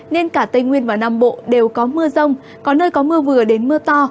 nên cả tây nguyên và nam bộ đều có mưa rông có nơi có mưa vừa đến mưa to